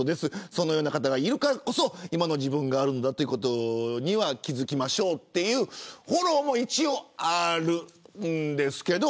そういう人たちがいるからこそ今の自分があるということに気付きましょうというフォローもあるんですけど